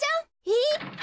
えっ！？